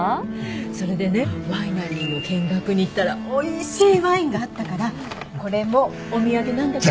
それでねワイナリーの見学に行ったらおいしいワインがあったからこれもお土産なんだけど。